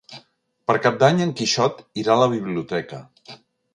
Per Cap d'Any en Quixot irà a la biblioteca.